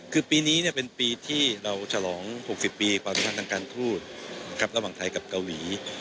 คือปีนี้เป็นปีที่เราฉลอง๖๐ปีความสำคัญทางการทูตระหว่างไทยกับเกาหลี